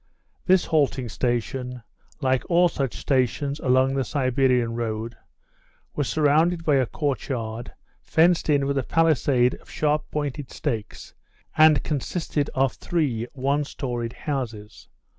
This halting station, like all such stations along the Siberian road, was surrounded by a courtyard, fenced in with a palisade of sharp pointed stakes, and consisted of three one storied houses.